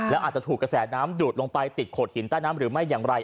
แล้วอาจจะถูกกระแสน้ำดูดลงไปติดโขดหินใต้น้ำหรือไม่อย่างไร